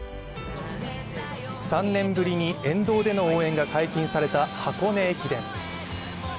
３年ぶりに沿道での応援が解禁された箱根駅伝。